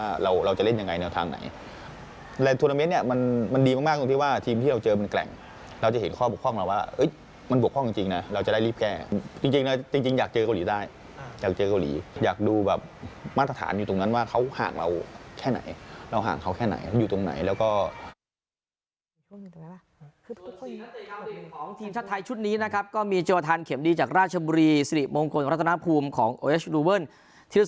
กับนะครับส่วนสารประสานเกมลุกปุราเชษท่อสนิท